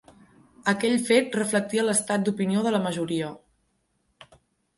Aquell fet reflectia l'estat d'opinió de la majoria.